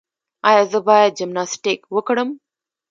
ایا زه باید جمناسټیک وکړم؟